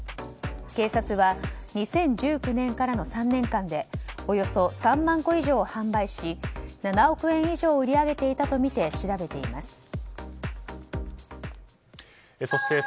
警察は２０１９年からの３年間でおよそ３万個以上を販売し７億円以上売り上げていたとみて調べています。